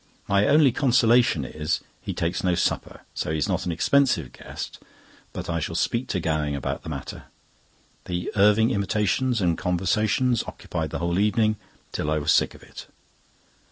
My only consolation is, he takes no supper, so he is not an expensive guest, but I shall speak to Gowing about the matter. The Irving imitations and conversations occupied the whole evening, till I was sick of it.